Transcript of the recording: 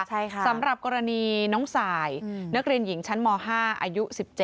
ใช่ค่ะสำหรับกรณีน้องสายนักเรียนหญิงชั้นม๕อายุ๑๗